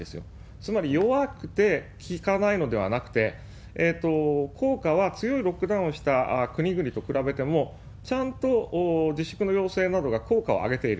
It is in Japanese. つまり弱くて効かないのではなくて、効果は強いロックダウンをした国々と比べても、ちゃんと自粛の要請などが効果を上げている。